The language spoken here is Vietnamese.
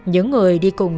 những người đi cùng